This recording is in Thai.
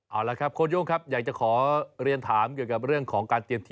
เอาละครับโค้โย่งครับอยากจะขอเรียนถามเกี่ยวกับเรื่องของการเตรียมทีม